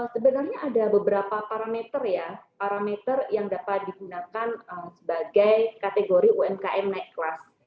sebenarnya ada beberapa parameter ya parameter yang dapat digunakan sebagai kategori umkm naik kelas